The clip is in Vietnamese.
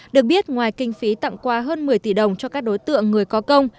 được biết ngoài kinh phí tặng quà hơn một mươi tỷ đồng cho các đối tượng người có công